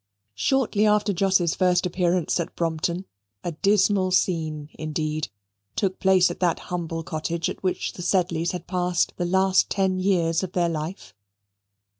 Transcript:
Shortly after Jos's first appearance at Brompton, a dismal scene, indeed, took place at that humble cottage at which the Sedleys had passed the last ten years of their life.